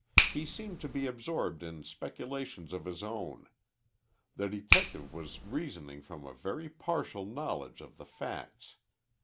He seemed to be absorbed in speculations of his own. The detective was reasoning from a very partial knowledge of the facts.